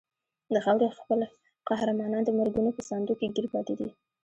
د خاورې خپل قهرمانان د مرګونو په ساندو کې ګیر پاتې دي.